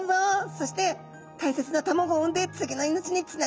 そして大切な卵を産んで次の命につないでいくんだい。